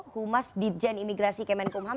humas ditjen imigrasi kemenkumham